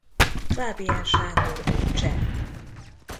Fábián Sándor öccse.